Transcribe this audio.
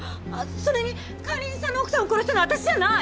それに管理人さんの奥さんを殺したのは私じゃない！